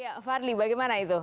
iya farli bagaimana itu